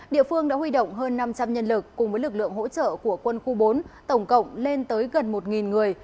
địa phương đã huy động hơn năm trăm linh nhân lực cùng với lực lượng hỗ trợ của quân khu bốn tổng cộng lên tới gần một người